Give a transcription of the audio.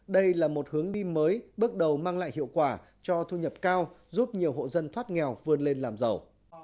đây là một hướng đi mới bước đầu mang lại hiệu quả cho thu nhập cao giúp nhiều hộ dân thoát nghèo vươn lên làm giàu